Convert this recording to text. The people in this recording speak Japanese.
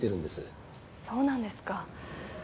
そうなんですか。